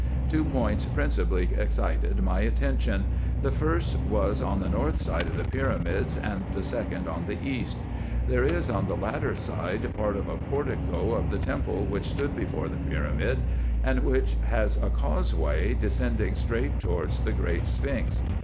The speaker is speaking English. Two points principally excited my attention : the first was on the north side of the pyramids, and the second on the east. There is on the latter side part of a portico of the temple which stood before the pyramid, and which has a causeway descending straight towards the great sphinx.